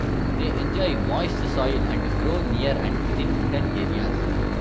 They enjoy moist soil and grow near and within wooded areas.